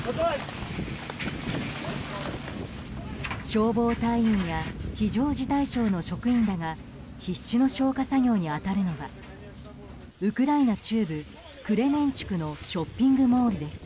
消防隊員や非常事態省の職員らが必死の消火作業に当たるのはウクライナ中部クレメンチュクのショッピングモールです。